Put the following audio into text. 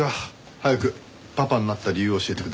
早くパパになった理由を教えてください。